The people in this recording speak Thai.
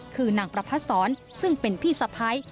คือนางประพัดศรซึ่งเป็นพี่สะพ้าย